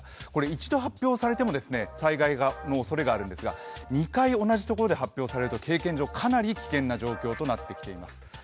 一度発表されても災害のおそれがあるんですが、２回同じ所で発表されると、経験上、かなり危険な状況になっています。